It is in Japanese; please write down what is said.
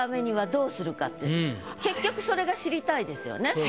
結局それが知りたいですよね。